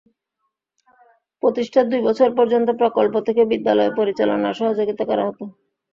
প্রতিষ্ঠার দুই বছর পর্যন্ত প্রকল্প থেকে বিদ্যালয় পরিচালনায় সহযোগিতা করা হতো।